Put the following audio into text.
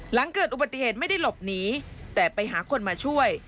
หลังเกิดอุบัติเหตุไม่ได้หลบหนีแต่ไปหาคนมาช่วย